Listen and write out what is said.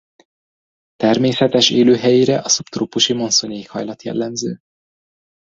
Természetes élőhelyére a szubtrópusi monszun éghajlat jellemző.